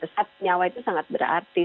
saat nyawa itu sangat berarti